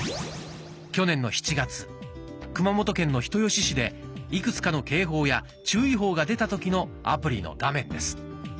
去年の７月熊本県の人吉市でいくつかの警報や注意報が出た時のアプリの画面です。